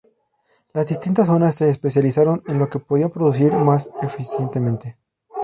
Las distintas zonas se especializaron en lo que podían producir más eficientemente.